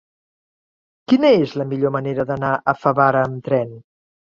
Quina és la millor manera d'anar a Favara amb tren?